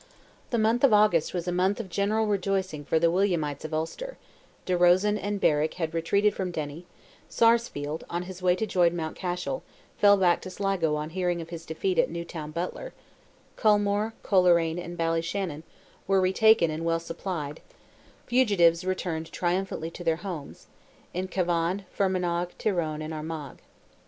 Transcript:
The month of August was a month of general rejoicing for the Williamites of Ulster, De Rosen and Berwick had retreated from Derry; Sarsfield, on his way to join Mountcashel, fell back to Sligo on hearing of his defeat at Newtown Butler; Culmore, Coleraine, and Ballyshannon, were retaken and well supplied; fugitives returned triumphantly to their homes, in Cavan, Fermanagh, Tyrone, and Armagh.